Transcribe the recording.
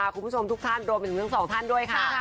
คุณผู้ชมทุกท่านรวมถึงทั้งสองท่านด้วยค่ะ